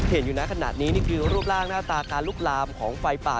เห็นอยู่นะขนาดนี้นี่คือรูปร่างหน้าตาการลุกลามของไฟป่า